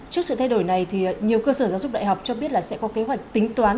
trước sự thay đổi này nhiều cơ sở giáo dục đại học cho biết là sẽ có kế hoạch tính toán